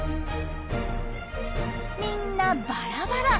みんなバラバラ。